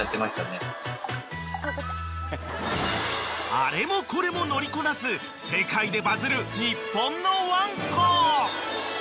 ［あれもこれも乗りこなす世界でバズる日本のワンコ］